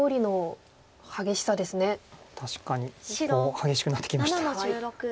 激しくなってきました。